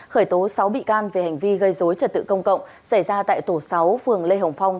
khởi tố sáu bị can về hành vi gây dối trật tự công cộng xảy ra tại tổ sáu phường lê hồng phong